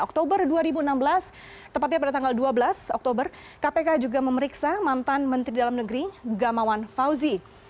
oktober dua ribu enam belas tepatnya pada tanggal dua belas oktober kpk juga memeriksa mantan menteri dalam negeri gamawan fauzi